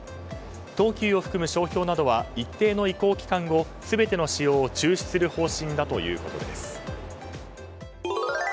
東急を含む商標などは一定の移行期間後全ての使用を中止する方針だということです。